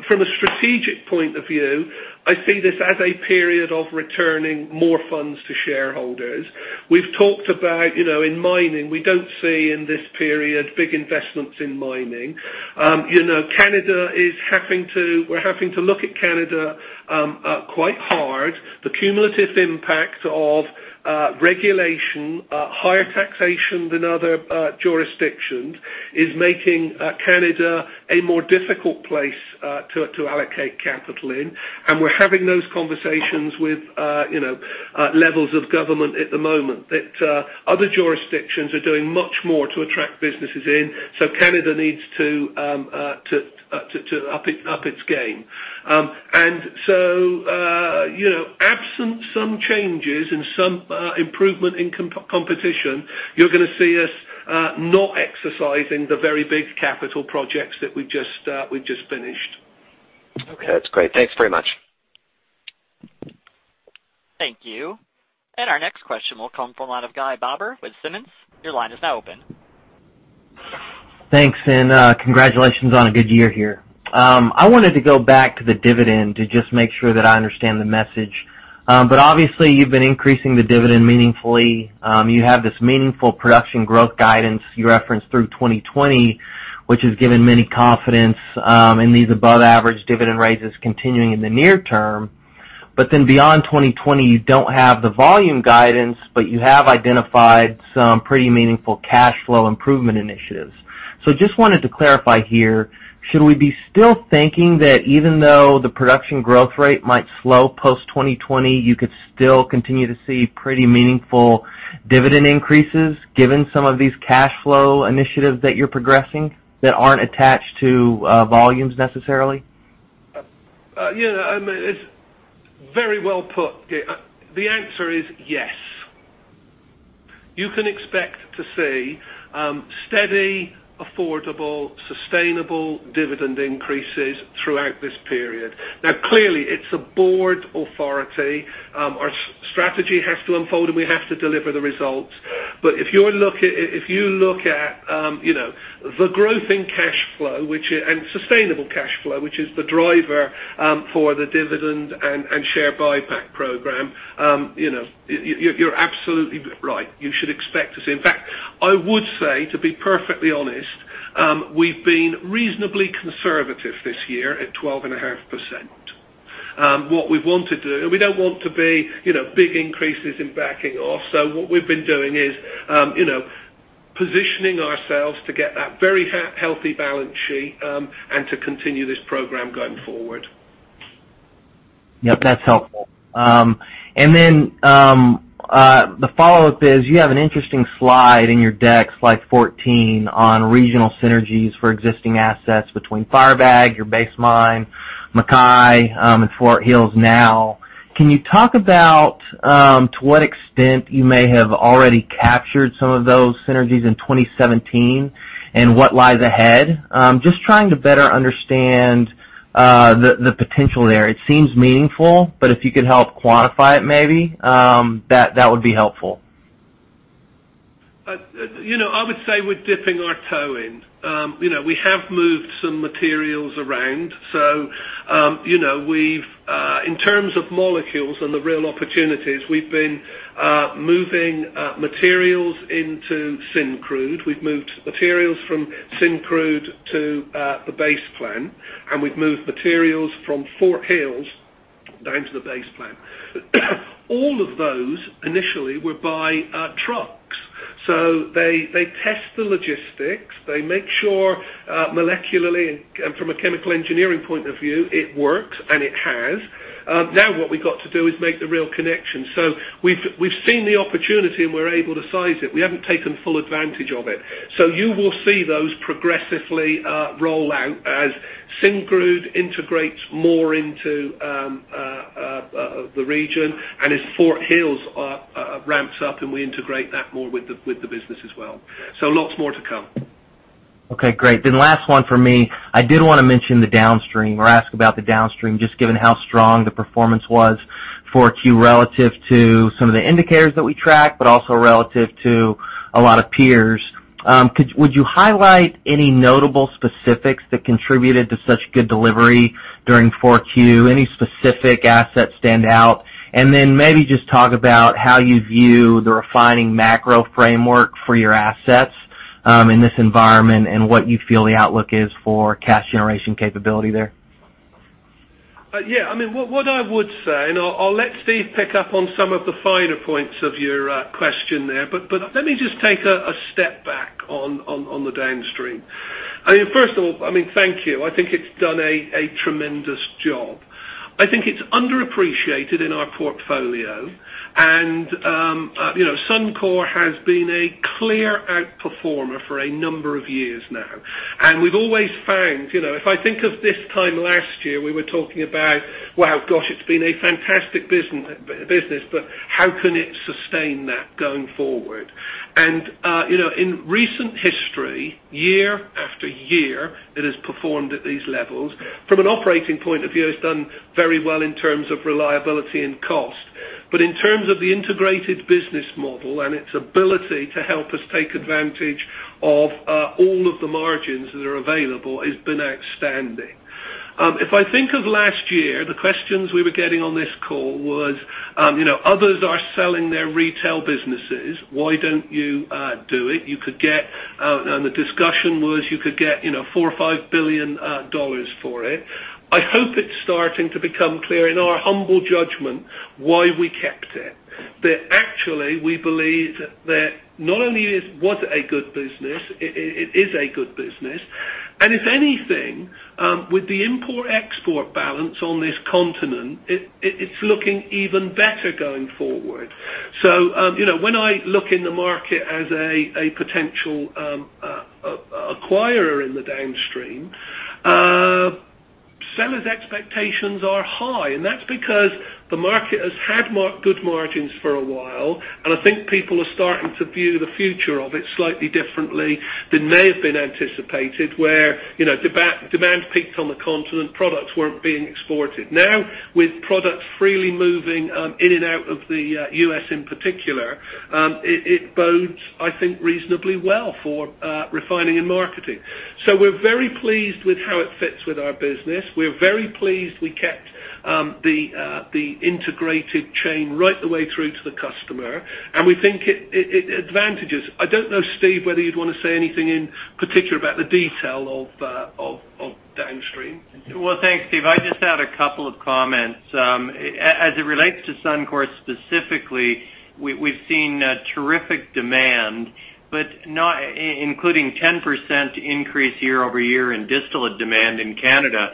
From a strategic point of view, I see this as a period of returning more funds to shareholders. We've talked about, in mining, we don't see in this period big investments in mining. We're having to look at Canada quite hard. The cumulative impact of regulation, higher taxation than other jurisdictions, is making Canada a more difficult place to allocate capital in. We're having those conversations with levels of government at the moment that other jurisdictions are doing much more to attract businesses in. Canada needs to up its game. Absent some changes and some improvement in competition, you're going to see us not exercising the very big capital projects that we've just finished. Okay. That's great. Thanks very much. Thank you. Our next question will come from out of Guy Baber with Simmons. Your line is now open. Thanks, and congratulations on a good year here. I wanted to go back to the dividend to just make sure that I understand the message. Obviously you've been increasing the dividend meaningfully. You have this meaningful production growth guidance you referenced through 2020, which has given many confidence in these above-average dividend raises continuing in the near term. Beyond 2020, you don't have the volume guidance, but you have identified some pretty meaningful cash flow improvement initiatives. Just wanted to clarify here, should we be still thinking that even though the production growth rate might slow post 2020, you could still continue to see pretty meaningful dividend increases given some of these cash flow initiatives that you're progressing that aren't attached to volumes necessarily? Yeah. It's very well put, Guy. The answer is yes. You can expect to see steady, affordable, sustainable dividend increases throughout this period. Now, clearly, it's a board authority. Our strategy has to unfold, and we have to deliver the results. But if you look at the growth in cash flow, and sustainable cash flow, which is the driver for the dividend and share buyback program, you're absolutely right. You should expect to see In fact, I would say, to be perfectly honest, we've been reasonably conservative this year at 12.5%. What we want to do We don't want to be big increases in backing off. What we've been doing is positioning ourselves to get that very healthy balance sheet, and to continue this program going forward. Yep. That's helpful. Then, the follow-up is, you have an interesting slide in your deck, slide 14, on regional synergies for existing assets between Firebag, your base mine, MacKay, and Fort Hills now. Can you talk about to what extent you may have already captured some of those synergies in 2017, and what lies ahead? Just trying to better understand the potential there. It seems meaningful, but if you could help quantify it maybe, that would be helpful. I would say we're dipping our toe in. We have moved some materials around. In terms of molecules and the real opportunities, we've been moving materials into Syncrude. We've moved materials from Syncrude to the Base Plant, and we've moved materials from Fort Hills down to the Base Plant. All of those initially were by trucks. They test the logistics. They make sure, molecularly and from a chemical engineering point of view, it works, and it has. Now what we got to do is make the real connection. We've seen the opportunity and we're able to size it. We haven't taken full advantage of it. You will see those progressively roll out as Syncrude integrates more into the region, and as Fort Hills ramps up and we integrate that more with the business as well. Lots more to come. Okay, great. Last one from me. I did want to mention the downstream or ask about the downstream, just given how strong the performance was for Q relative to some of the indicators that we track, but also relative to a lot of peers. Would you highlight any notable specifics that contributed to such good delivery during Q4? Any specific assets stand out? Maybe just talk about how you view the refining macro framework for your assets in this environment, and what you feel the outlook is for cash generation capability there. Yeah. What I would say, and I'll let Steve pick up on some of the finer points of your question there, let me just take a step back on the downstream. First of all, thank you. I think it's done a tremendous job. I think it's underappreciated in our portfolio. Suncor has been a clear outperformer for a number of years now. We've always found. If I think of this time last year, we were talking about, "Wow, gosh, it's been a fantastic business, but how can it sustain that going forward?" In recent history, year after year, it has performed at these levels. From an operating point of view, it's done very well in terms of reliability and cost. In terms of the integrated business model and its ability to help us take advantage of all of the margins that are available, it's been outstanding. If I think of last year, the questions we were getting on this call was, others are selling their retail businesses. Why don't you do it? The discussion was you could get 4 billion-5 billion dollars for it. I hope it's starting to become clear in our humble judgment why we kept it. That actually, we believe that not only it was a good business, it is a good business. If anything, with the import-export balance on this continent, it's looking even better going forward. When I look in the market as a potential acquirer in the downstream, sellers' expectations are high, and that's because the market has had good margins for a while. I think people are starting to view the future of it slightly differently than may have been anticipated, where demand peaked on the continent, products weren't being exported. Now, with products freely moving in and out of the U.S. in particular, it bodes, I think, reasonably well for refining and marketing. We're very pleased with how it fits with our business. We're very pleased we kept the integrated chain right the way through to the customer, and we think it advantages. I don't know, Steve, whether you'd want to say anything in particular about the detail of downstream. Well, thanks, Steve. I just had a couple of comments. As it relates to Suncor specifically, we've seen terrific demand, including 10% increase year-over-year in distillate demand in Canada.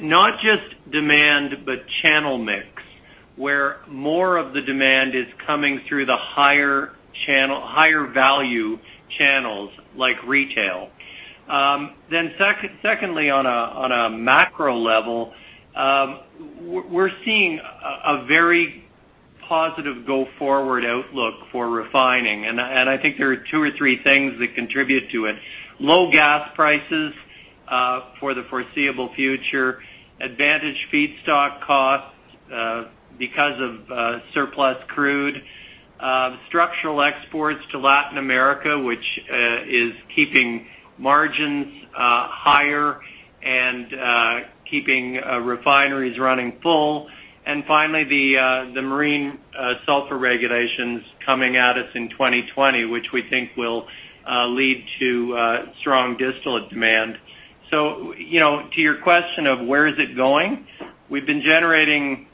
Not just demand, but channel mix, where more of the demand is coming through the higher value channels like retail. Secondly, on a macro level, we're seeing a very positive go-forward outlook for refining, and I think there are two or three things that contribute to it. Low gas prices, for the foreseeable future, advantage feedstock costs because of surplus crude, structural exports to Latin America, which is keeping margins higher and keeping refineries running full. Finally, the marine sulfur regulations coming at us in 2020, which we think will lead to strong distillate demand. To your question of where is it going, we've been generating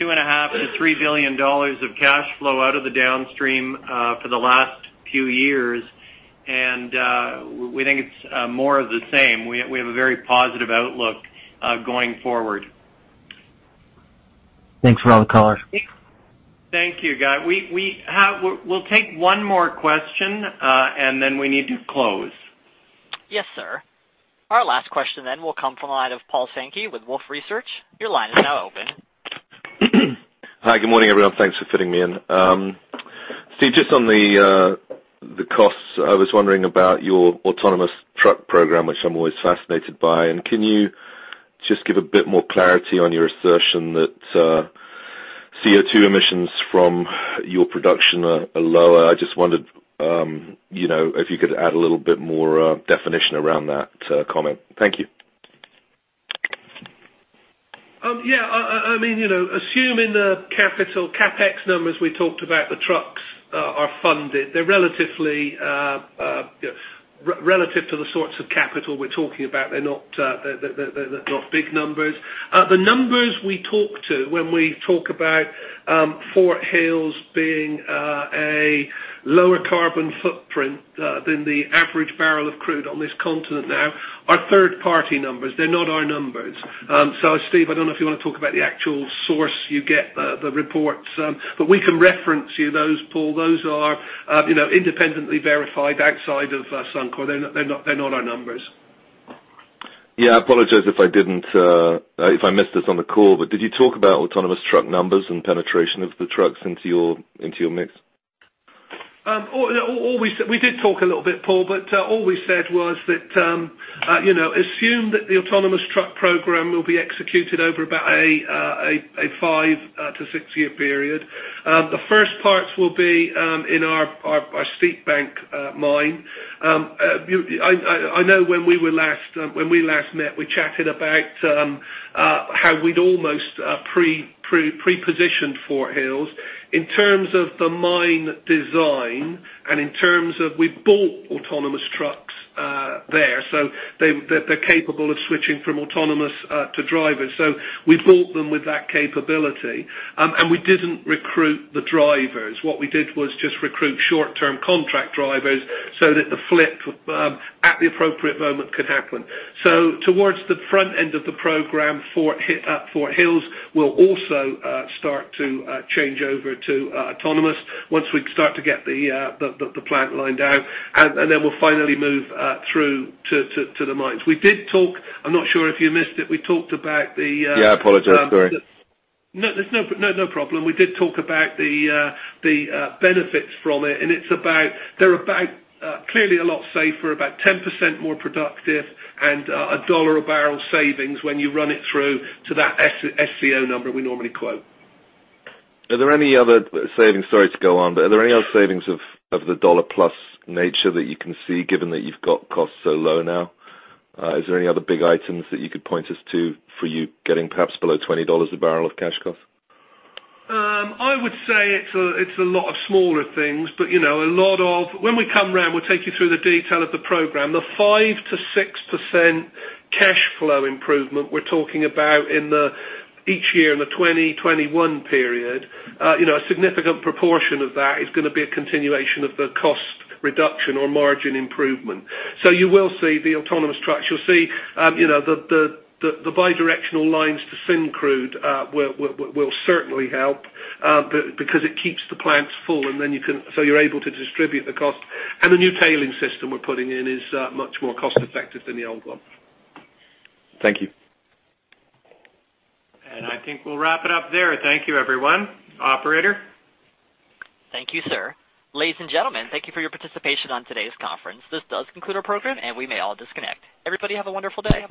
2.5 billion-3 billion dollars of cash flow out of the downstream for the last few years. We think it's more of the same. We have a very positive outlook going forward. Thanks for all the color. Thank you. We will take one more question, and then we need to close. Yes, sir. Our last question will come from the line of Paul Sankey with Wolfe Research. Your line is now open. Hi, good morning, everyone. Thanks for fitting me in. Steve, just on the costs, I was wondering about your autonomous truck program, which I am always fascinated by. Can you just give a bit more clarity on your assertion that CO2 emissions from your production are lower? I just wondered if you could add a little bit more definition around that comment. Thank you. Assuming the capital CapEx numbers we talked about, the trucks are funded. Relative to the sorts of capital we are talking about, they are not big numbers. The numbers we talk to when we talk about Fort Hills being a lower carbon footprint than the average barrel of crude on this continent now are third-party numbers. They are not our numbers. Steve, I don't know if you want to talk about the actual source you get the reports. We can reference you those, Paul. Those are independently verified outside of Suncor. They are not our numbers. Yeah, I apologize if I missed this on the call, but did you talk about autonomous truck numbers and penetration of the trucks into your mix? We did talk a little bit, Paul, all we said was that assume that the autonomous truck program will be executed over about a 5- to 6-year period. The first parts will be in our Steepbank mine. I know when we last met, we chatted about how we'd almost pre-positioned Fort Hills. In terms of the mine design and in terms of we bought autonomous trucks there, so they're capable of switching from autonomous to drivers. We bought them with that capability. We didn't recruit the drivers. What we did was just recruit short-term contract drivers so that the flip at the appropriate moment could happen. Towards the front end of the program, Fort Hills will also start to change over to autonomous once we start to get the plant lined out. Then we'll finally move through to the mines. We did talk, I'm not sure if you missed it. We talked about. Yeah, I apologize. Go ahead. No, no problem. We did talk about the benefits from it, they're clearly a lot safer, about 10% more productive, and CAD 1 a barrel savings when you run it through to that SCO number we normally quote. Are there any other savings, sorry to go on, are there any other savings of the CAD-plus nature that you can see given that you've got costs so low now? Are there any other big items that you could point us to for you getting perhaps below 20 dollars a barrel of cash cost? I would say it's a lot of smaller things. When we come around, we'll take you through the detail of the program. The 5% to 6% cash flow improvement we're talking about each year in the 2020, 2021 period. A significant proportion of that is going to be a continuation of the cost reduction or margin improvement. You will see the autonomous trucks. You'll see the bidirectional lines to Syncrude will certainly help because it keeps the plants full so you're able to distribute the cost. The new tailings system we're putting in is much more cost-effective than the old one. Thank you. I think we'll wrap it up there. Thank you, everyone. Operator? Thank you, sir. Ladies and gentlemen, thank you for your participation on today's conference. This does conclude our program, and we may all disconnect. Everybody have a wonderful day.